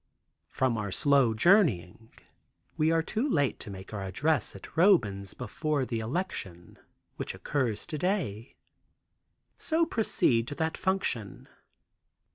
From our slow journeying, we are too late to make our address at Roban's, before the election, which occurs to day. So proceed to that function.